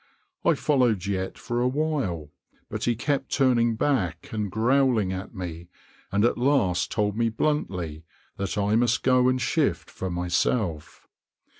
I followed yet for a while, but he kept turning back and growling at me, and at last told me bluntly that I must go and shift for myself.